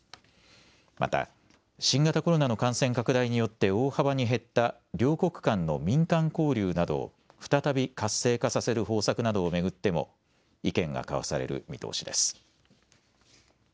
また新型コロナの感染拡大によって大幅に減った両国間の民間交流などを再び活性化させる方策などを巡っても意見が交わされる見通しです。